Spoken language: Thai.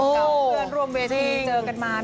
กับเพื่อนร่วมเวทีเจอกันมา